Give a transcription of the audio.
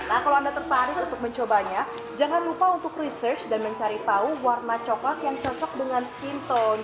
nah kalau anda tertarik untuk mencobanya jangan lupa untuk research dan mencari tahu warna coklat yang cocok dengan skin tone